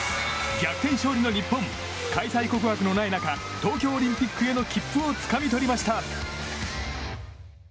逆転勝利の日本開催国枠のない中東京オリンピックへの切符をつかみ取りました。